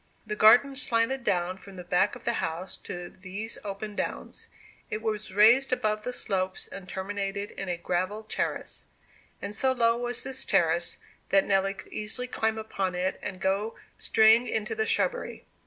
The garden slanted down from the back of the house to these open downs: it was raised above the slopes and terminated in a gravelled terrace; and so low was this terrace that Nelly could easily climb upon it and go straying into the shrubbery.